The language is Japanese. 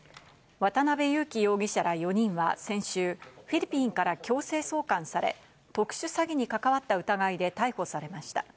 渡辺優樹容疑者ら４人は先週、フィリピンから強制送還され、特殊詐欺に関わった疑いで逮捕されました。